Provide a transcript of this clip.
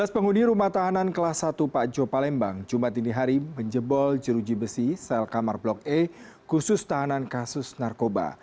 dua belas penghuni rumah tahanan kelas satu pak jo palembang jumat ini hari menjebol jeruji besi sel kamar blok e khusus tahanan kasus narkoba